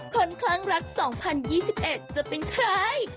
คลั่งรัก๒๐๒๑จะเป็นใคร